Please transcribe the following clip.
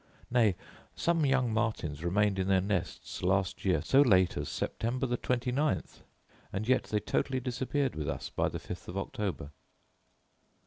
Nay, some young martins remained in their nests last year so late as September the twenty ninth; and yet they totally disappeared with us by the fifth of October.